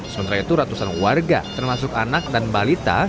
sebenarnya ratusan warga termasuk anak dan balita